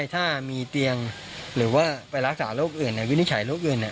ถ้ามีเตียงหรือว่าไปรักษาโรคอื่นในวินิจฉัยโรคอื่น